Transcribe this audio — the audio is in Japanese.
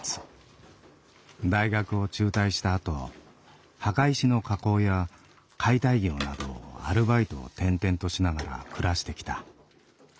大学を中退したあと墓石の加工や解体業などアルバイトを転々としながら暮らしてきた。